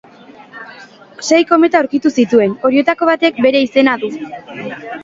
Sei kometa aurkitu zituen; horietako batek bere izena du.